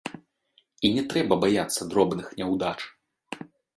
І не трэба баяцца дробных няўдач.